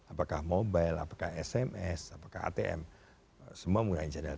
apakah mobile apakah sms apakah atm semua menggunakan jadat